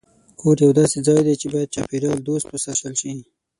کور یو داسې ځای دی چې باید چاپېریال دوست وساتل شي.